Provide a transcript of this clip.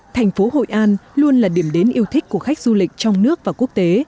thành phố hội an luôn là điểm đến yêu thích của khách du lịch trong nước và quốc tế